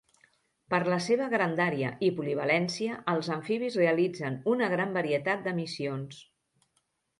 Per la seva grandària i polivalència els amfibis realitzen una gran varietat de missions.